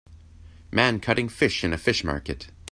Man cutting fish in a fish market.